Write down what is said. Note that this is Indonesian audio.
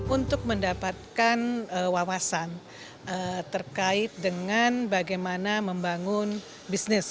untuk mendapatkan wawasan terkait dengan bagaimana membangun bisnis